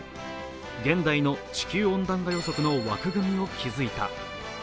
現代の地球温暖化予測の枠組みを築いた。